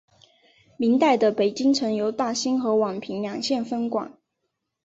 明代的北京城由大兴和宛平两县分管。